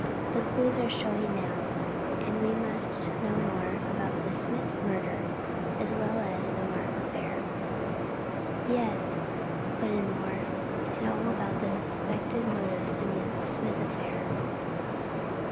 The clues are showing now, and we must know more about the Smith murder, as well as the Mark affair." "Yes," put in Moore, "and all about the suspected motives in the Smith affair."